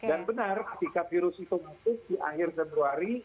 dan benar ketika virus itu masuk di akhir februari